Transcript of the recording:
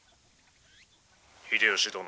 「秀吉殿」。